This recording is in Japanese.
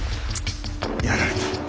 やられた。